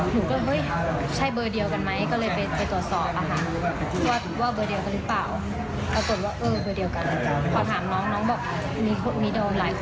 หนูก็เลยเฮ้ยใช่เบอร์เดียวกันไหมก็เลยไปตรวจสอบอะค่ะ